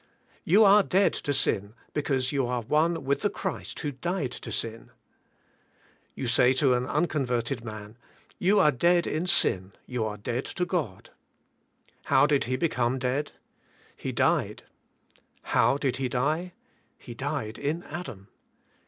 You are dead to sin because you are one with the Christ who died to sin. You say to an unconverted man. You are dead in sin; you are dead to God. How did he become dead? He died. How did he die ? He died in Adam.